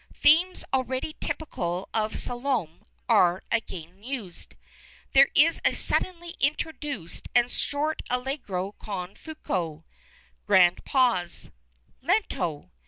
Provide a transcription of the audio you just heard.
Themes already typical of Salome are again used. There is a suddenly introduced and short Allegro con fuoco. Grand pause: Lento.